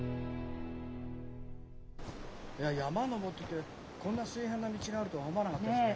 いや山登ってこんな水平な道があるとは思わなかったですね。